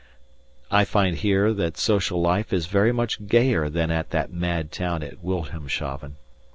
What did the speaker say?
I find here that social life is very much gayer than at that mad town of Wilhelmshaven.